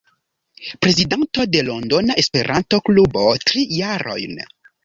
Prezidanto de Londona Esperanto-Klubo tri jarojn.